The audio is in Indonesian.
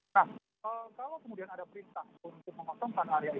nah kalau kemudian ada perintah untuk mengosongkan area ini